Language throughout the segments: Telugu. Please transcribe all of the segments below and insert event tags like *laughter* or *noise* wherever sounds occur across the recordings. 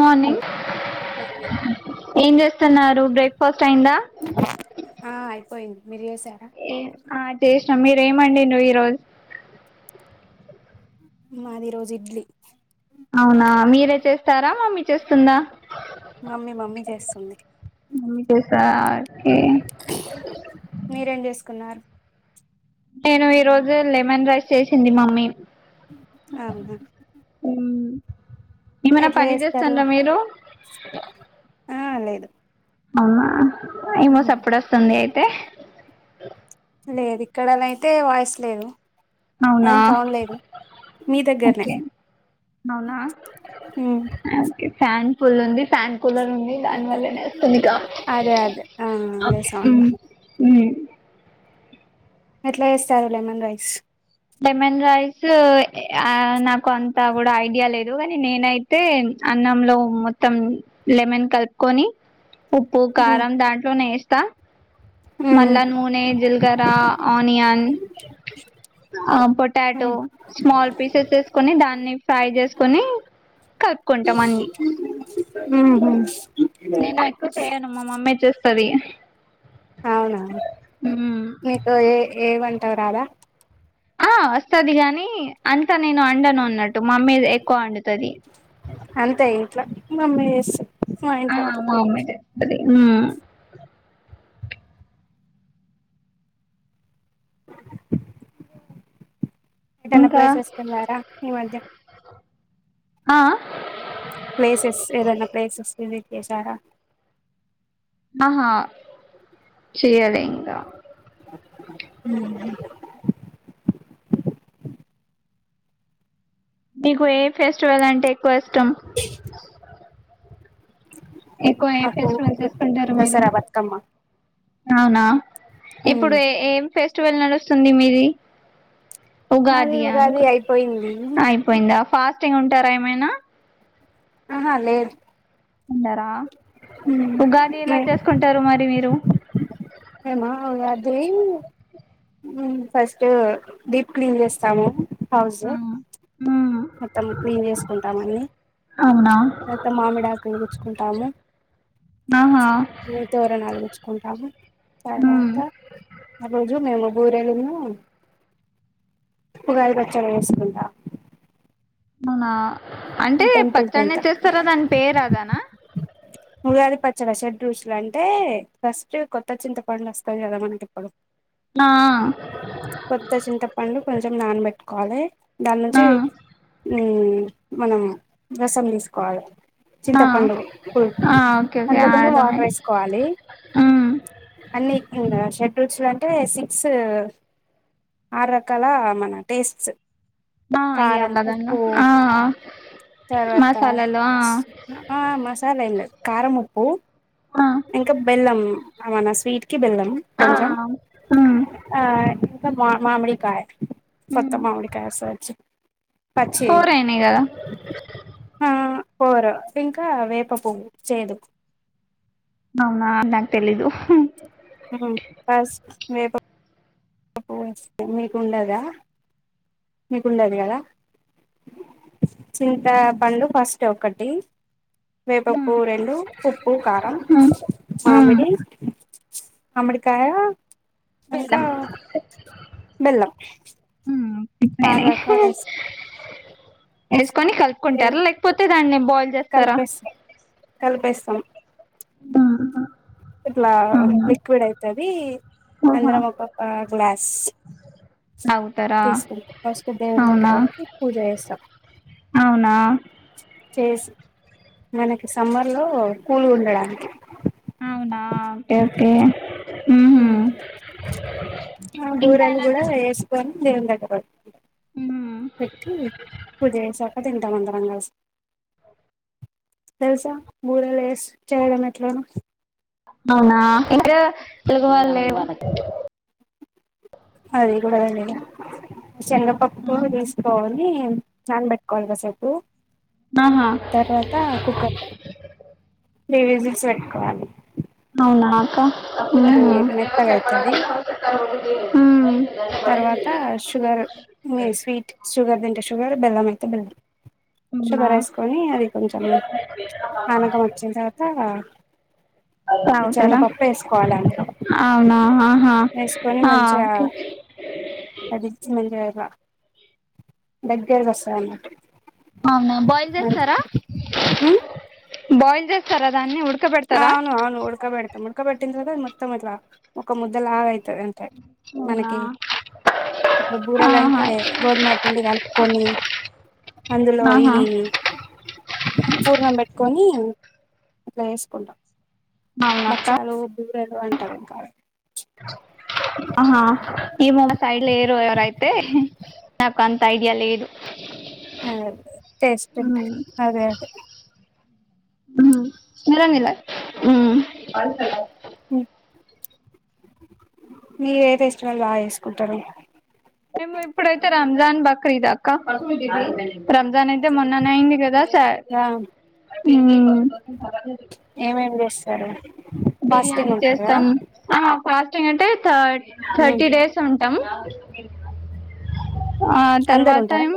మార్నింగ్ ఏం చేస్తున్నారు బ్రేక్ఫాస్ట్ అయిందా ఆ అయిపోయింది మీరు చేసారా ఎ అ చేష్ మీరేమండిడ్రు ఈ రోజ్ మాది ఈ రోజు ఇడ్లీ అవునా మీరే చేస్తారా మమ్మి చేస్తుందా మమ్మీ మమ్మీ చేస్తుంది మమ్మి చేసార్ *unintelligible* మీరేం చేసుకున్నారు నేను ఈ రోజు లెమన్ రైస్ చేసింది మమ్మీ అవునా ఉం ఏమైనా ఎట్లా పని చేస్తారు చేస్తాండ్రా మీరు ఆ లేదు అమ్మా ఏమో సప్పుడొస్తుంది అయితే అ లేదు ఇక్కడనైతే వాయిస్ లేదు. అవునా ఏం సౌండ్ లేదు మీ దగ్గరనే ఓకే అవునా ఉమ్, ఫ్యాన్ ఫుల్ ఉంది. ఫ్యాన్, కూలర్ ఉంది. అందు వల్లనేేస్తుంది. గాల్ అదే అదే ఆ అదే ఓకే సౌండ్ ఉహ్మ్ ఉహ్మ్ ఎట్లా చేస్తారు లెమన్ రైస్ లెమన్ రైస్ ఇ ఆ నా కొంత కూడా ఐడియా లేద్ దు కాని నేనైతే అన్నంలో మొత్తం లెమన్ కలుపుకొని. ఉప్పు, ఉమ్, కారం దాంట్లోనేే త ఉమ్, మళ్లా నూనె, జీల్గర, అనియన్ ఆ పొటాటో ఉమ్, స్మాల్ పీసెస్ ఏసుకొని దాన్ని ఫ్రై చేసుకొని కలుపుకుంటాం అండి ఉమ్, ఉమ్. నేను ఎక్కువ్ చేయను మా మామ్మే సది అవునా మీకు ఏ ఏ వాంట్ టం రాదా ఆ వస్తాది గానీ అంత నేను అండను అన్నట్టు. మామ్మీ ది ఎక్కువ అండుతది. మమ్మే చేస్ ఆ మమ్మె చేస్ తది ఉహ్మ్ ఎటనా ఇంకా ప్లేసెస్ కేళ్ళారా ఈ మధ్య ఆ ఆ ప్లేసెస్ ఏదైనా ప్లేసెస్ కెళ్ళి ఏసారా ఆహా చే్యాలే ఇంకా ఉహ్మ్ మీకు ఏ ఫెస్టివల్ అంటే ఎక్కువ ఇష్టం. ఎక్కువ ఏ మాకు ఫెస్టివల్ చేసుకుంటారు. మీరు దసరా బతుకమ్మ అవునా ఇప్పుడు ఏం ఫెస్ట్ ట్వెల్ నాడుస్తుంది. మీది మరి ఉగాదియా ఉగాది అనుకున్ అయిపోయింది అయిపోయిందా. ఫాస్టింగ్ ఉంటారా ఏమైనా ఆహా లేదు అన్నారా ఉగాది ఎలా చేసుకుంటారు మరి మీరు మేము ఉగాది ఫస్ట్ డీప్ క్లీన్ చేస్తాము హవు ఆ సార్ మ్మ్ మొత్తం క్లీన్ చేసుకుంటాం అన్ని అవునా తర్వాత మామిడి ఆకులు గుచ్చుకుంటాము ఆహా తోరణాలు గుుచ్చుకుంటాము మ్మ్ తర్వాత ఆ రోజు మేము బూరెలులను పగాలు పచ్చలో వేసుకుందా మవున్న అంటే టెంపుల్ కి వెళ్తాం పచ్చడిచ్చేస్తారాదాని పేయ అదానా ముృగాది పచ్చల షడ్రూసులు అంటే ఫస్ట్ కొత్త చింతపంలు వస్తంది కదా మనకి ఇప్పుడు ఆ కాల ఆ చ మనం రసం తీసుకోవాలి ఆ చింతపండు ఇప్పుడు ఆ ఓకే ఓకే అందులో వాటర్ అర్థమైంది వేసుకోవాలి మ్మ్ అన్నీ ఇకా షెడ్యూల్స్ లో అంటే సిక్స్ ఆరు రకాల మన టేస్ట్స్ ఆ ఇ కారం అలా దంగా ఉప్పు ఆ తర్వాత మసాలాలు ఆ మసాలా కారమ పూ ఆ ఇంకా బెల్లం అవునా స్వీట్ క బిల్లం ఆ కొంచం ఉమ్ మా మామిరికాయ ఫత్త ఉమ్ మా ఉడికా సచ్చ పచ్చ ఫోర్ అయినాయి కదా హ పోరు ఇంకా వేప ప చేదుకు అవునా నా తెలిదు బస్ మే మీకుండదా మీకుండదు కదా చింతపండు ఫస్ట్ ఒకటి ఉమ్ వేపప్పు రెండు ఉప్పు కారం ఉమ్ ఉమ్ మామిడి అమడుకాయ వెెల్లం బెల్లం ఆ రాకాలే ఎస్ కాని కలుపుకుంటారా లేకపోతే దాన్ని బాయిల్ చేస్తారా కలిపేస్త కలిపేస్తాం మ్మ్ ఇట్లా లిక్విడ్ అయితది ఓహో అందరం ఒక్కొక్క గ్లాస్ తాగుతారా తీసుకుం ఫస్ట్ దేవుని అవునా దగ్గర పెట్టి పూజ చేస్తాం అవునా చేసి మనకి సమ్మర్ లో కూల్ ఉండడానికి అవునా ఓకే ఓకే ఉహు మ్మ్ ఆ ఇంకా బూరలు ఎలా కూడా చేసుకుంటారు వేసుకొని దేవుని దగ్గర పోయి ఉమ్ పెట్టి పూజ చేశాక తిన్ త్తం అందరం కలిసి తెలుసా బూరలు లేస్ చేయడం ఎట్లనో అవునా ఇంకా *unintelligible* అది కూడా తెల్దండి శనగపప్పు తీసుకోని నానబెట్టకో కసేపు ఆహా తర్వాత కుక్కర్ త్రీ విజిల్స్ పెట్టుకోవాలి అవునా అక్క అది మెత్తగా అయితది మ్మ్ మ్మ్ తర్వాత షుగర్ మీ స్వీట్ షుగర్ తింటే షు. ఒగోరు బెల్లం అయితే బెల్లం అవునా షుగర్ వేసుకొని అది కొంచెం పానకం వచ్చిన తర్వాత ఆ రాముతార వేసుకోవాలి అందులో అవునా ఆహా వేసుకొని మంచిగా ఆ అది ఇవు దించాక దగ్గర వస్తదన్నమాట అవునా బాయిల్ చేస్తారా ఉమ్ బాయిల్ చేస్తారా దాన్ని ఉడ్ అవునువును ఉడకబెడతాం ఉడకబెడ్ తిందుగా మొత్తం ఇట్లా ఒక ముద్దలా అయి తది అంతే అవునా మనకి ఇట్లు ఆహా బూరలంటే గోధుమ పిండి కలుపుకొని అందులో ఈ ఆహా పూర్ణం పెట్టుకొని అట్లా చేస్ కుంట అవునక్క భక్షాలు బూరెలు అంటారు ఇంకా ఆహా ఏమో సైడ్ లేరు ఎవరై తే నాకు అంత ఐడియా లేదు అే టేస్ట్ ఉమ్ అదే అదే *inaudible* మీర ఏే ఫెస్టివల్ బాగా చేసుకుంటారు మేము ఇప్పుడైతే రంజాన్ బక్రీద్ అక్క రంజాన్ అయితే మొన్న అయింది కదా ఉ ఏమేం చేస్తారు ఫాస్టింగ్ బిర్యానీ ఉంటారు కదా చేస్తాం ఆ ఫాస్టింగ్ అంటే థర్డ్ ఉమ్ థర్టీ డేస్ ఉంట *unintelligible* ఆ అందరు తర్వాత ఉంటారా ఏం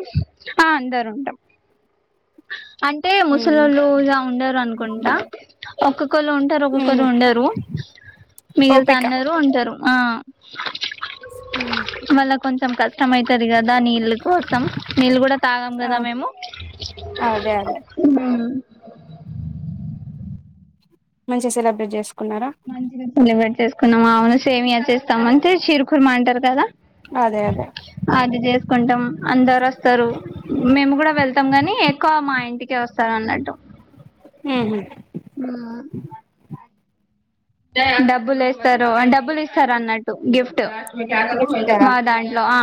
ఆ అందరు ఉంటాం అంటే ఉమ్ ముసలళ్ళు ఇలా ఉండరు అనుకుంటా ఉమ్ ఒక్కొక్కళ్ళు ఉంటారు ఒక్కొక్కళ్రుు ఉండరు మిగిలిత ఓపిక అందరూ ఉంటారు ఆ *unintelligible* మళ్ళ కొంచెం కష్టం అవుతాది కదా నీళ్ళ కోసం నీళ్ళు కూడా తాగం కదా మేము అదే అదే ఆ మంచిగా సెలబ్రేట్ చేసుకో మంచిగా సెలబ్రేట్ చేసుకున్నాం అవును సేమియ చేస్తాము అయితే షీర్ కుర్మా అంటారు కదా అదే అదే అది చేసుకుంటాం అందరు వస్తారు మేము కూడా వెళ్తాం గాని ఎక్కువ మా ఇ ఇంటికే వస్తారు అన్నట్టు ఆ డబ్బులు వేస్తారు డబ్బులు ఇస్తారు అన్నట్టు గిఫ్ట్ గిఫ్ట్ మా దాంట్లో ఆ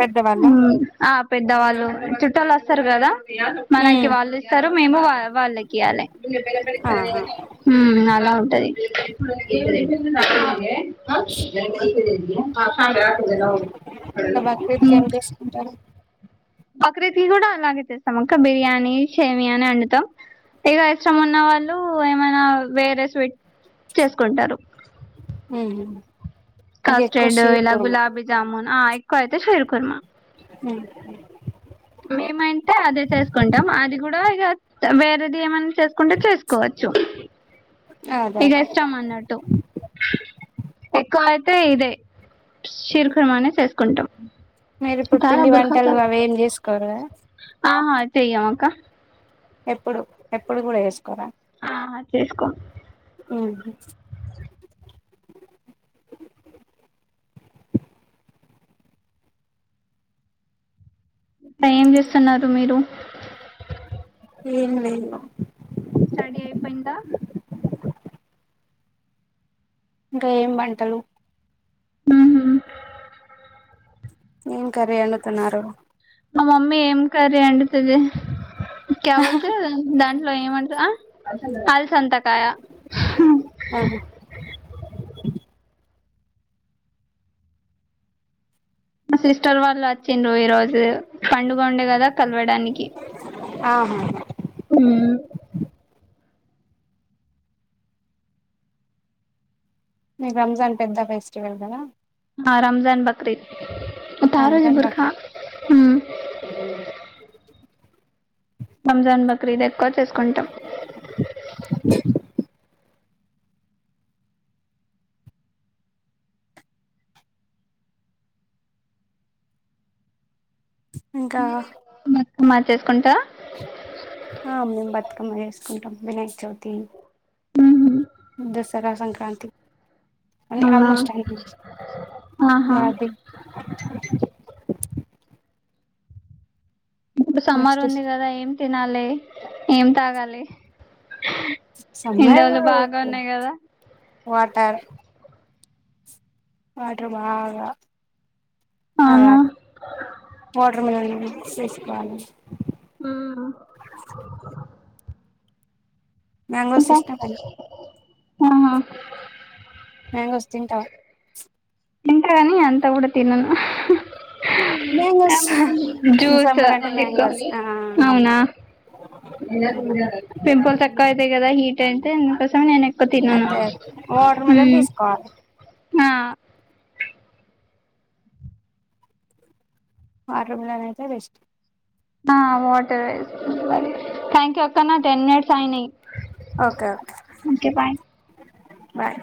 పెద్దవాళ్ళ *unintelligible* ఆ పెద్దవాళ్ళు చుట్టళు వస్తారు కదా మనకి వాళ్ళు ఇస్తారు మేము వాళ్ళకి ఇయ్వాలి ఆహా ఇంకా *unintelligible* బక్రీద్కి ఏం చేసుకుంటారు *unintelligible* బక్రీద్ కి కూడా అలాగే చేస్తాం అక్క బిర్యానీ సేమియా వండుతాం ఇక ఇష్టం ఉన్న వాళ్ళు ఏమైనా వేరే స్వీట్ చేసుకుంటారు హ కస్టర్డ్ ఇలా గులాబీ జామున్ ఎక్కువ అయితే షీర్ కుర్మా హ మేమంటే అదే చేసుకుంటాం అది కూడా ఇక వేరేది ఏమన్నా చేసుకుంటే చేసుకోవచ్చు, అదే ఇక ఇష్టం అన్నట్టు ఎక్కా ఐతే ఇదే శిర్ఖమనే చేస్ కుంటం మీరు ఇప్పుడు పిండి వంటలు అవి ఏం చేసుకోర ఆహా చెయ్యమ అక్క ఎప్పుడు ఎప్పుడు కూడా ఏస్కొరా ఆ చేస్కోం. ఉ ఏం చేస్సన్నారు మీరు ఏంమి లేదు. స్టడీ అయిపెయిందా ఇంకా ఏం వంటలు మ్మ్. ఏం కర్రీ అండుతున్నారు. మా మమ్మీ ఏం కర్రీ వండుతది. క్యావత్తు, దాం లొ ఏవంట, అల్ సంతకాయ మా సిస్టర్ వాళ్ళు వచ్చిండ్రు ఈ రోజు పండుగ ఉండే కదా కలవడానికి, ఆహా హు ని రంజాన్ పెద్ద ఫెస్టివల్ కదా. ఆ రంజాన్, బక్ రి ఆ త్తరొజె రంజాన్ బుర్కా, మాకు హు రంజాన్, బక్రీదె క్కువ చేసుకుంటం. ఇంకా మా చేసుకుంటా ఆ మేమ్ బత్త్కమ్మ ఏసుకుంటం, వినయక్ చవితి దసరా, సంక్రాం తి అండి, అవునా ఆల్మోస్ట్ *inaudible* ఆహా వాతి ఇడు సమ్మర్ నెక్స్ట్ ఉంది కదా ఏం తినాల్లే ఏం తాగాలి. ఎండలు సమ్మయో, బాగా ఉన్నాయి కదా వాటర్ వాట్రర్ బాగా అవునా తావలి, వాట్రర్ *unintelligible* చేసుకోవాలి ఆ మ్యాంగో సిస్టమ్ అ ఆహా మంగా వస్తుంటావా తంకారని అంత బఊడుత నను మ్యాంగోస్ జ్యూస్ సమ్మర్ అంటే ఎక్కువ మ్యాంగోస్ ఆ అవునా పింపుల్స్ ఎక్కువ అయితాయి కదా హీట్ కస మ అనే అదే వాఓటర్ మిలర్ తీసుకోవాలి ఆ ఆ రూమ్లన్ అయితే బెస్ ఆ వాటర్ వే కాకి ఒక్కనా టెన్ మినిట్స్ అయినాయి ఓకే ఓకే ఓకే బాయ్ బయ